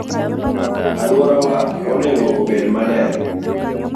Aluorawa onego obed maler.